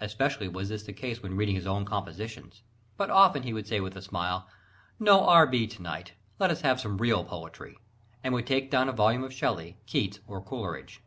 Especially was this the case when reading his own compositions. But often he would say with a smile, "No R. B. to night! let us have some real poetry," and would take down a volume of Shelley, Keats or Coleridge.